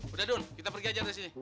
udah dun kita pergi aja ke sini